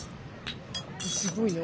すごいね。